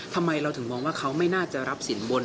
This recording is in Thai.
ทำไมเราถึงมองว่าเขาไม่น่าจะรับสินบน